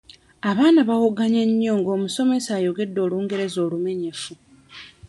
Abaana bawoggannye nnyo nga omusomesa ayogedde Olungereza olumenyefu.